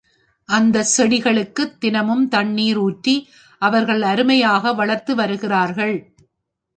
அந்தச் செடிகளுக்குத் தினமும் தண்ணீர் ஊற்றி, அவர்கள் அருமையாக வளர்த்து வருகிறார்கள்.